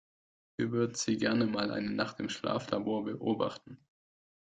Wir würden Sie gerne mal eine Nacht im Schlaflabor beobachten.